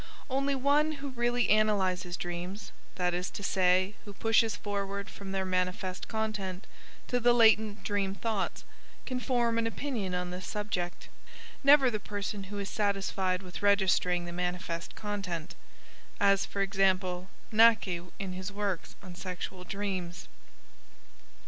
Only one who really analyzes dreams, that is to say, who pushes forward from their manifest content to the latent dream thoughts, can form an opinion on this subject never the person who is satisfied with registering the manifest content (as, for example, Näcke in his works on sexual dreams).